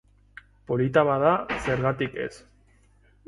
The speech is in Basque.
Polita bada, zergatik ez?